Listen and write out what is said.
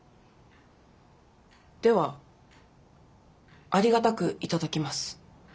ではありがたく頂きます。